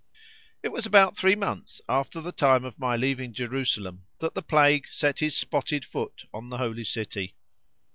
It was about three months after the time of my leaving Jerusalem that the plague set his spotted foot on the Holy City.